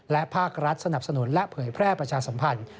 และภาครัฐสนับสนุนและเผยแพร่ประชาสัมพันธ์